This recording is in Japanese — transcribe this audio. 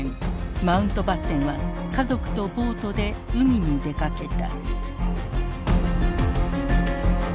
マウントバッテンは家族とボートで海に出かけた。